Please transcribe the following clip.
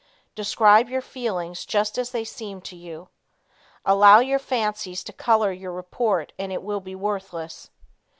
Describe your feelings just as they seem to you. Allow your fancies to color your report and it will be worthless.